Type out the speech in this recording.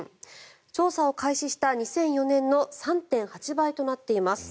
調査を開始した２００４年の３．８倍となっています。